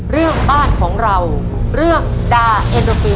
เรื่องบ้านของเราเรื่องดาเอ็นโดฟิล